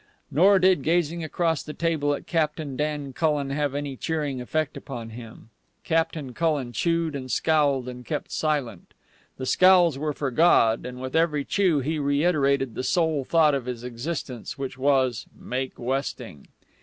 Nor did gazing across the table at Captain Dan Cullen have any cheering effect upon him. Captain Cullen chewed and scowled and kept silent. The scowls were for God, and with every chew he reiterated the sole thought of his existence, which was _make westing.